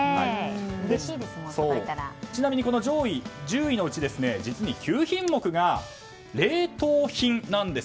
ちなみにこの上位１０位のうち実に９品目が冷凍品なんです。